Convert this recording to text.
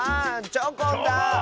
チョコン。